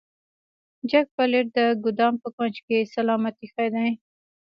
جک پلیټ د ګدام په کونج کې سلامت ایښی دی.